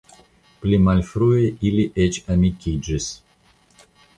Pli malfrue ili eĉ amikiĝis.